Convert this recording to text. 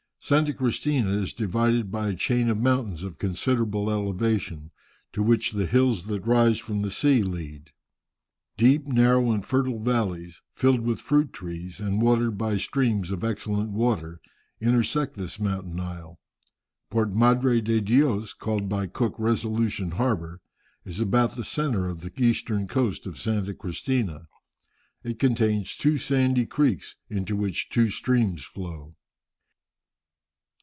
Santa Cristina is divided by a chain of mountains of considerable elevation, to which the hills that rise from the sea lead. Deep, narrow, and fertile valleys, filled with fruit trees, and watered by streams of excellent water, intersect this mountain isle. Port Madre de Dios, called by Cook Resolution Harbour, is about the centre of the eastern coast of Santa Cristina. It contains two sandy creeks, into which two streams flow.